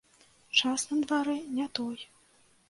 Час на дварэ не той.